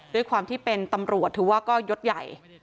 ด้วยความที่เป็นตำรวจถือว่าก็ยดใหญ่